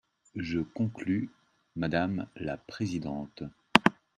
Je conclus, madame la présidente.